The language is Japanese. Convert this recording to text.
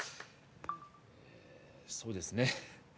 そうですね